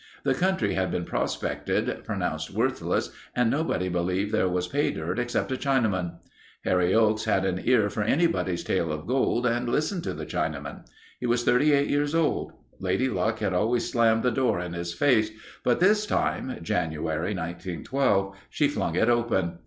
The country had been prospected, pronounced worthless and nobody believed there was pay dirt except a Chinaman. Harry Oakes had an ear for anybody's tale of gold and listened to the Chinaman. He was 38 years old. Lady Luck had always slammed the door in his face but this time, (January, 1912) she flung it open.